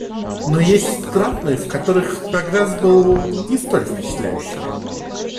Но есть страны, в которых прогресс был не столь впечатляющим.